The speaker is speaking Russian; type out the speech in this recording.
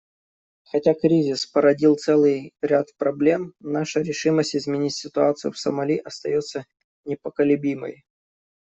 Хотя кризис породил целый ряд проблем, наша решимость изменить ситуацию в Сомали остается непоколебимой.